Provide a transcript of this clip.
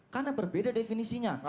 karena berbeda definisinya